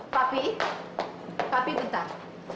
papi papi bentar